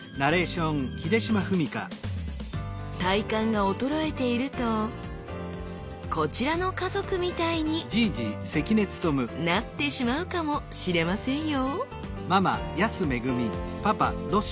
体幹が衰えているとこちらの家族みたいになってしまうかもしれませんよ